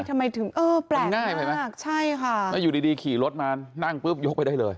ทำไมถึงเออแปลกมากใช่ค่ะอยู่ดีขี่รถมานั่งปุ๊บยกไปได้เลย